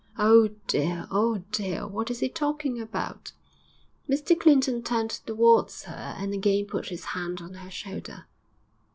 'Oh, dear! oh, dear! what is he talking about?' Mr Clinton turned towards her and again put his hand on her shoulder.